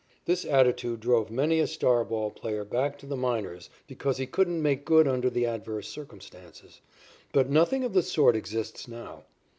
This attitude drove many a star ball player back to the minors because he couldn't make good under the adverse circumstances, but nothing of the sort exists now.